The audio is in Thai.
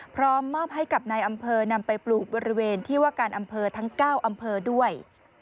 มอบให้กับนายอำเภอนำไปปลูกบริเวณที่ว่าการอำเภอทั้ง๙อำเภอด้วย